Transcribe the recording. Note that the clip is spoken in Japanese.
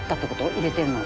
入れてるの。